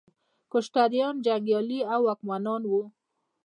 کشتریان جنګیالي او واکمنان وو.